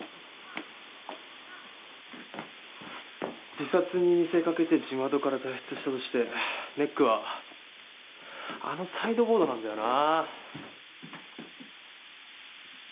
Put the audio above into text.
自殺に見せかけて地窓から脱出したとしてネックはあのサイドボードなんだよな。